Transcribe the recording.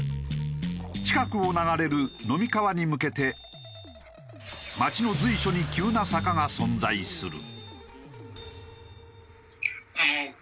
近くを流れる呑川に向けて街の随所に急な坂が存在する。